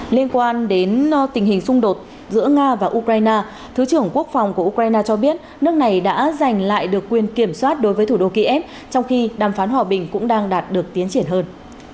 liên quan đến tình hình xung đột giữa nga và ukraine thứ trưởng quốc phòng của ukraine cho biết nước này đã giành lại được quyền kiểm soát đối với thủ đô kiev trong khi đàm phán hòa bình cũng đang đạt được tiến triển hơn